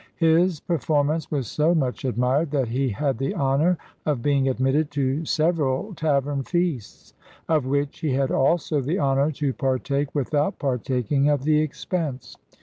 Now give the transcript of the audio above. His performance was so much admired, that he had the honour of being admitted to several tavern feasts, of which he had also the honour to partake without partaking of the expense.